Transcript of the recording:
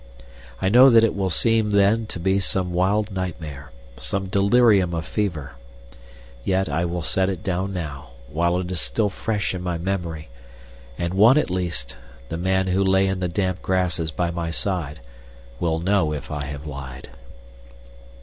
I know that it will seem then to be some wild nightmare, some delirium of fever. Yet I will set it down now, while it is still fresh in my memory, and one at least, the man who lay in the damp grasses by my side, will know if I have lied.